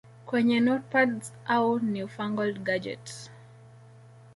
kwenye notepads au newfangled gadget